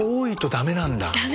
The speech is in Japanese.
駄目なんだ。